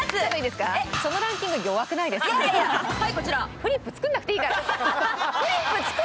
フリップ作らなくていいから。